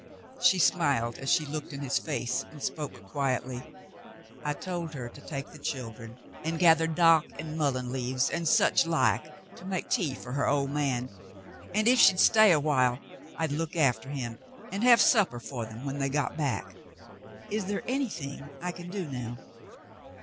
She smiled as she looked in his face, and spoke quietly : "I told her to take the children and gather dock and mullein leaves and such like to make tea for her old man, and if she'd stay awhile, I'd look after him and have supper for them when they got back. Is there anything I can do now